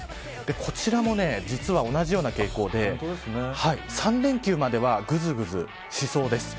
こちらも実は同じような傾向で３連休まではぐずぐずしそうです。